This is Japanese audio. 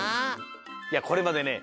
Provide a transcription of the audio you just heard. いやこれまでね